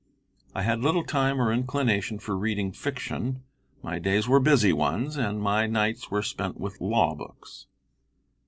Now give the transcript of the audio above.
I had little time or inclination for reading fiction; my days were busy ones, and my nights were spent with law books.